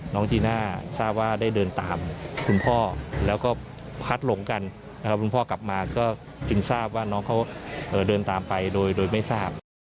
จีน่าทราบว่าได้เดินตามคุณพ่อแล้วก็พัดหลงกันนะครับคุณพ่อกลับมาก็จึงทราบว่าน้องเขาเดินตามไปโดยไม่ทราบ